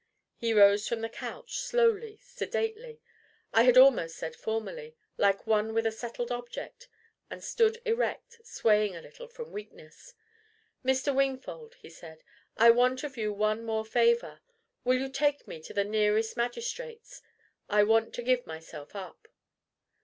He rose from the couch slowly, sedately, I had almost said formally, like one with a settled object, and stood erect, swaying a little from weakness. "Mr. Wingfold," he said, "I want of you one more favour: will you take me to the nearest magistrate? I wish to give myself up."